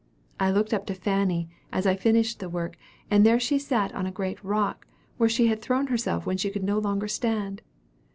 I looked up to Fanny, as I finished the work, and there she sat on a great rock, where she had thrown herself when she could no longer stand.